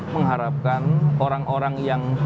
mengharapkan orang orang yang